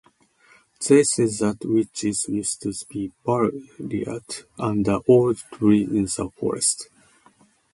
They say that witches used to be buried under old trees in the forest.